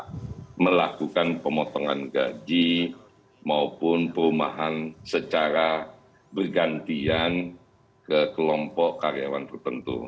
kita melakukan pemotongan gaji maupun perumahan secara bergantian ke kelompok karyawan tertentu